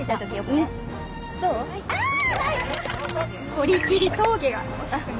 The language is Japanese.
堀切峠がおすすめです。